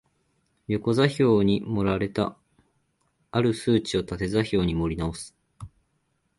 横座標に盛られた或る数値を縦座標に盛り直す